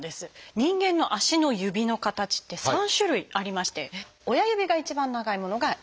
人間の足の指の形って３種類ありまして親指が一番長いものが「エジプト型」。